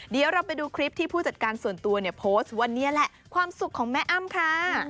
เดี๋ยวเราไปดูคลิปที่ผู้จัดการส่วนตัวเนี่ยโพสต์วันนี้แหละความสุขของแม่อ้ำค่ะ